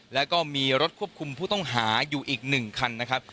แล้วก็มีรถควบคุมผู้ต้องหาอยู่อีก๑คันนะครับ